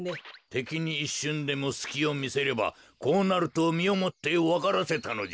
てきにいっしゅんでもすきをみせればこうなるとみをもってわからせたのじゃ。